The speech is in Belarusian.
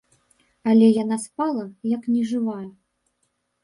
Але яна спала, як нежывая.